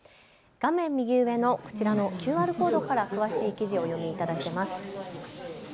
画面右上のこちらのＱＲコードから詳しい記事をお読みいただけます。